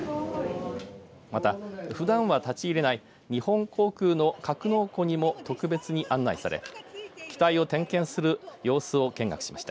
また、ふだんは立ち入れない日本航空の格納庫にも特別に案内され機体を点検する様子を見学しました。